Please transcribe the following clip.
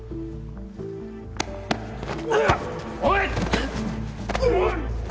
おい！